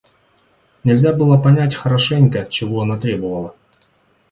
Нельзя было понять хорошенько, чего она требовала.